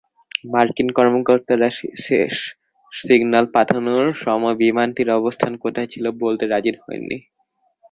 মার্কিন কর্মকর্তারা শেষ সিগন্যাল পাঠানোর সময় বিমানটির অবস্থান কোথায় ছিল বলতে রাজি হননি।